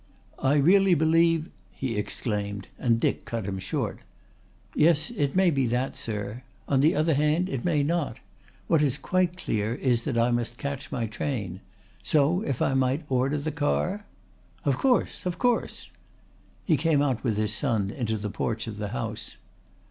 "I really believe " he exclaimed and Dick cut him short. "Yes, it may be that, sir. On the other hand it may not. What is quite clear is that I must catch my train. So if I might order the car?" "Of course, of course." He came out with his son into the porch of the house.